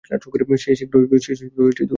সে শীঘ্রই বুঝতে পারবে।